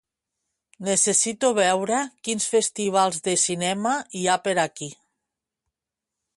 Necessito veure quins festivals de cinema hi ha per aquí.